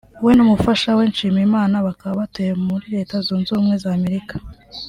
we n’umufasha we Nshimiyimana bakaba batuye muri Leta zunze ubumwe za Amerika